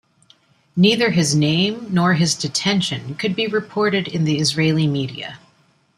Neither his name nor his detention could be reported in the Israeli media.